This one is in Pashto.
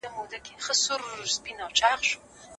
د مدنياتو د پرمختګ لپاره دیانت مهم دی.